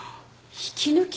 引き抜き？